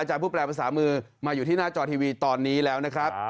อาจารย์ผู้แปรประสามมือมาอยู่ที่หน้าจอทีวีตอนนี้แล้วนะครับ